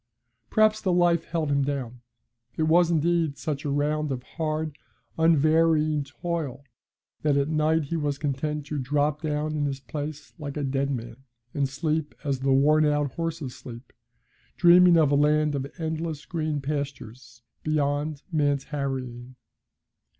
Perhaps the life held him down. It was, indeed, such a round of hard, unvarying toil that at night he was content to drop down in his place like a dead man, and sleep as the worn out horses sleep, dreaming of a land of endless green pastures, beyond man's harrying.